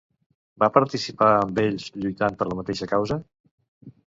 Va participar amb ells lluitant per la mateixa causa?